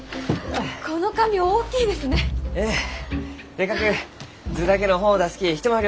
せっかく図だけの本を出すき一回り